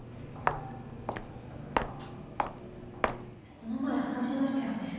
この前話しましたよね。